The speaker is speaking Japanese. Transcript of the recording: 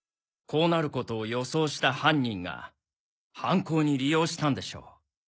こうなることを予想した犯人が犯行に利用したんでしょう。